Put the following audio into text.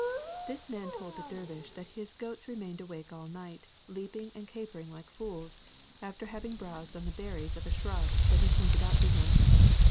This man told the dervish that his goats re mained awake all night, leaping and capering like fools, after having browsed on the berries of a shrub that he pointed out to him.